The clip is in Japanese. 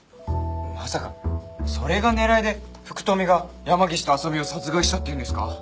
まさかそれが狙いで福富が山岸と浅見を殺害したっていうんですか？